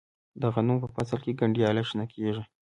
د غنمو په فصل کې گنډیاله شنه کیږي.